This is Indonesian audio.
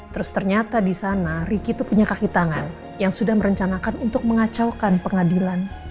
terus ternyata di sana ricky itu punya kaki tangan yang sudah merencanakan untuk mengacaukan pengadilan